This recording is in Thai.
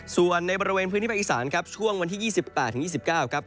ส่วนในบริเวณพื้นที่ภาคอีสานครับช่วงวันที่๒๘๒๙ครับ